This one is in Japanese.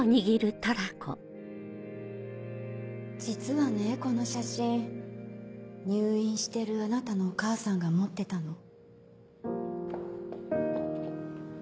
実はねこの写真入院してるあなたのお母さんが持ってたの。